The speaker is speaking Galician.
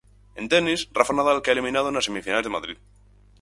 En tenis, Rafa Nadal cae eliminado nas semifinais de Madrid.